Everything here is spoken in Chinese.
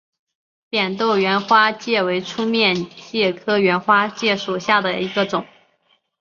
扁豆缘花介为粗面介科缘花介属下的一个种。